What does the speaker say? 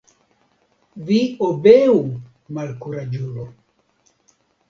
Vi obeu, malkuraĝulo.